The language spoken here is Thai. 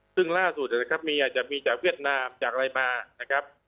ซึ่งล่าสุดนะครับมีอาจจะมีจากเวียดนามจากอะไรมานะครับ